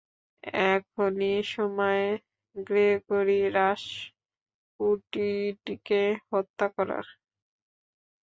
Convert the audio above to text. এখনই সময় গ্রেগরি রাসপুটিনকে হত্যা করার।